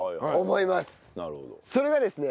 それがですね